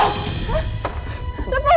saya gak salah toko